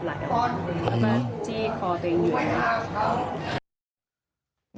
แล้วก็เลือดไหลมันจี้คอตัวเองอยู่อย่างนั้น